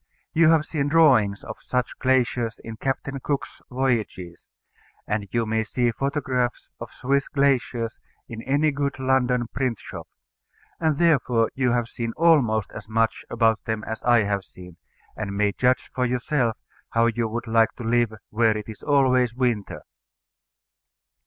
You have seen drawings of such glaciers in Captain Cook's Voyages; and you may see photographs of Swiss glaciers in any good London print shop; and therefore you have seen almost as much about them as I have seen, and may judge for yourself how you would like to live where it is always winter.